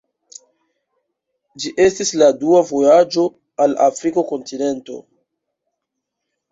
Ĝi estis la dua vojaĝo al Afrika kontinento.